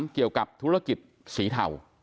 เกี่ยวกับธุรกิจสีเทา